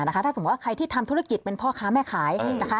ถ้าสมมุติว่าใครที่ทำธุรกิจเป็นพ่อค้าแม่ขายนะคะ